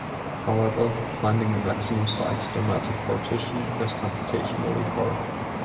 However, finding a maximum-size domatic partition is computationally hard.